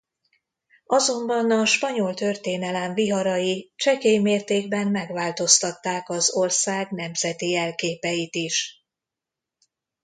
Azonban a spanyol történelem viharai csekély mértékben megváltoztatták az ország nemzeti jelképeit is.